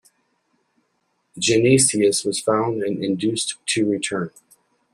Genesius was found and induced to return.